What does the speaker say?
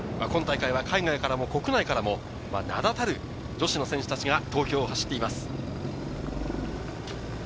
今大会は海外から、国内からも名だたる女子の選手たちが東京を走っています。